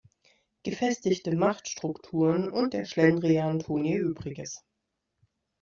Gefestigte Machtstrukturen und der Schlendrian tun ihr Übriges.